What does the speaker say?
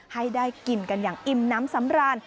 ให้ได้กินกันอย่างอิ่มน้ำสำราญ